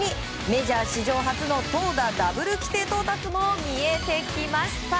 メジャー史上初の投打ダブル規定到達も見えてきました。